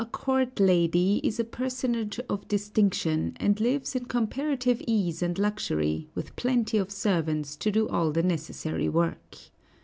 A court lady is a personage of distinction, and lives in comparative ease and luxury, with plenty of servants to do all the necessary work.